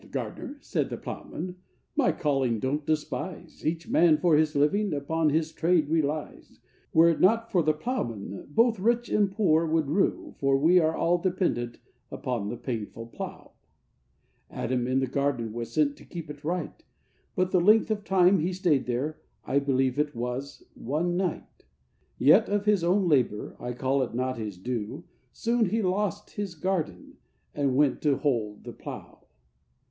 gardener,' said the ploughman, 'my calling don't despise, Each man for his living upon his trade relies; Were it not for the ploughman, both rich and poor would rue, For we are all dependent upon the painful plough. 'Adam in the garden was sent to keep it right, But the length of time he stayed there, I believe it was one night; Yet of his own labour, I call it not his due, Soon he lost his garden, and went to hold the plough.